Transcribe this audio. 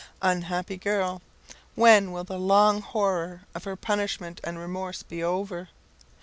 Unhappy girl! when will the long horror of her punishment and remorse be over?